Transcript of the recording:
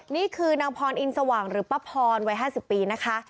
นี่คือนางพรอินสว่างหรือป้าพรวัย๕๐ปีนะคะ